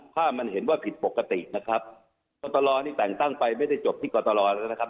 ถ้ามันเห็นว่าผิดปกตินะครับกตรนี่แต่งตั้งไปไม่ได้จบที่กรตรอแล้วนะครับ